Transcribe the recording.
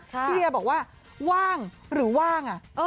พี่เวียบอกว่าว่างหรือว่าง